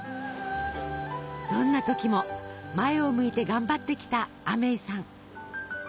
どんな時も前を向いて頑張ってきたアメイさん。